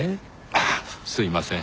あっすいません